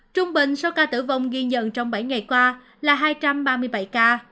trung bình số ca tử vong ghi nhận trong bảy ngày qua là hai trăm ba mươi bảy ca